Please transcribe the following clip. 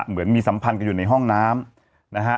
เหมือนมีสัมพันธ์กันอยู่ในห้องน้ำนะฮะ